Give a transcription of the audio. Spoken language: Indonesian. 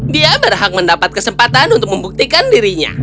dia berhak mendapat kesempatan untuk membuktikan dirinya